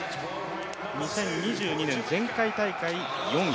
２０２２年、前回大会４位。